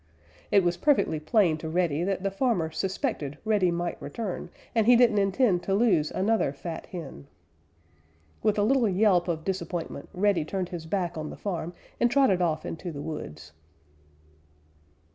It was perfectly plain to Reddy that the farmer suspected Reddy might return, and he didn't intend to lose another fat hen. With a little yelp of disappointment, Reddy turned his back on the farm and trotted off into the woods.